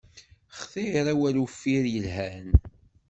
Xtir awal uffir yelhan!